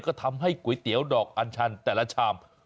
ก็ทำให้ก๋วยเตี๋ยวดอกอัญชันแต่ละชาม